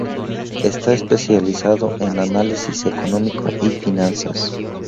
Está especializado en análisis económico y finanzas.